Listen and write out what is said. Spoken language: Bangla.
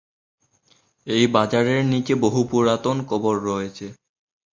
এই বাজারের নিচে বহু পুরাতন কবর রয়েছে।